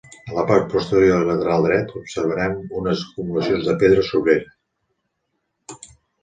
A la part posterior i lateral dret, observarem unes acumulacions de pedra sobrera.